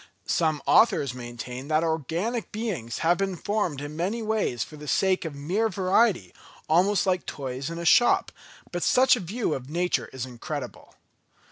Some authors maintain that organic beings have been formed in many ways for the sake of mere variety, almost like toys in a shop, but such a view of nature is incredible.